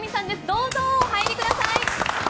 どうぞお入りください。